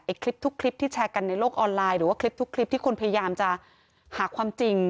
คลิปทุกคลิปที่แชร์กันในโลกออนไลน์หรือว่าคลิปทุกคลิปที่คนพยายามจะหาความจริง